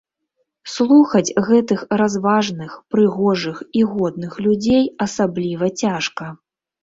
Слухаць гэтых разважных, прыгожых і годных людзей асабліва цяжка.